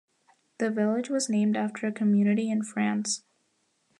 The village was named after a community in France.